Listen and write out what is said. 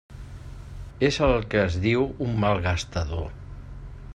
És el que es diu un malgastador.